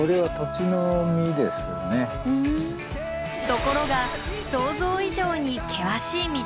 ところが想像以上に険しい道。